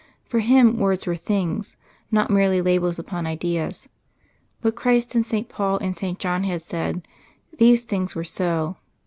For him words were things, not merely labels upon ideas. What Christ and St. Paul and St. John had said these things were so.